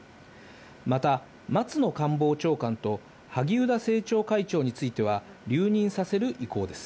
また松野官房長官と萩生田政調会長については留任させる意向です。